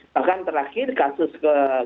bahkan terakhir kasus ke